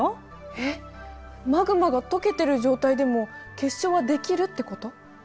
えっマグマが溶けてる状態でも結晶は出来るってこと？